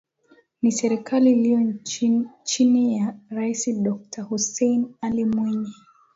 Ni serikali iliyo chini ya Raisi Dokta Hussein Ali Mwinyi